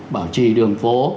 bảo trì đường phố